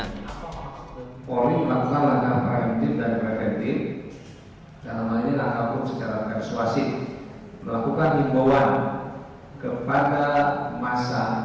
dalam hal ini langkah langkah secara persuasif melakukan pembawaan kepada masa